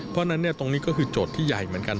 เพราะฉะนั้นตรงนี้ก็คือโจทย์ที่ใหญ่เหมือนกัน